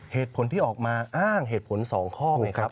เหตุผลที่ออกมาอ้างเหตุผล๒ข้อไงครับ